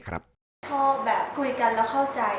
ชอบแบบคุยกันแล้วเข้าใจ